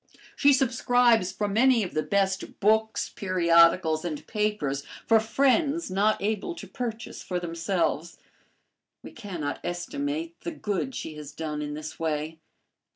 She subscribes for many of the best books, periodicals, and papers for friends not able to purchase for themselves. We cannot estimate the good she has done in this way.